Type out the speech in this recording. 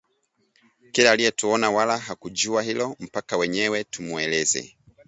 Kila aliyetuona wala hakujua hilo mpaka wenyewe tumueleze